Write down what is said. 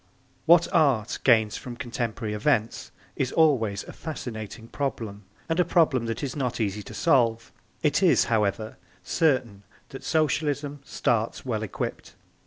What Art gains from contemporary events is always a fascinating problem and a problem that is not easy to solve. It is, however, certain that Socialism starts well equipped.